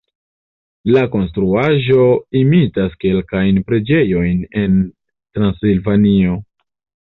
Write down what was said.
La konstruaĵo imitas kelkajn preĝejojn en Transilvanio.